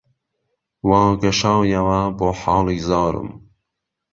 وا گەشایەوە بۆ حاڵی زارم